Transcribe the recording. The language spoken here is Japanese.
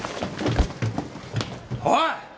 おい！